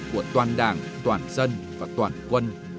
của toàn đảng toàn dân và toàn quân